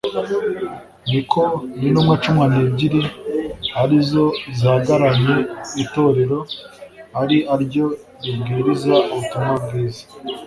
niko n'intumwa cumi n'ebyiri arizo zihagaranye itorero ari aryo ribwiriza ubutumwa bwiza.